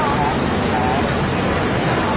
สวัสดีครับ